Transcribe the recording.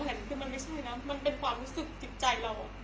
แต่มันไม่ใช่นะค่ะมันเป็นความคิดจิดใจ